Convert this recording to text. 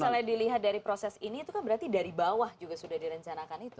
dan kalau misalnya dilihat dari proses ini itu kan berarti dari bawah juga sudah direncanakan itu